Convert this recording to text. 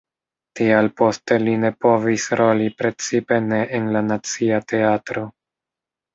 Tial poste li ne povis roli, precipe ne en la Nacia Teatro.